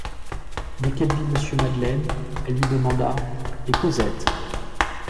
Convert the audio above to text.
Dès qu’elle vit Monsieur Madeleine, elle lui demanda: — Et Cosette?